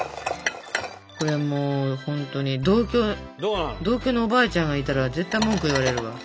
これもうほんとに同居のおばあちゃんがいたら絶対文句言われるわ。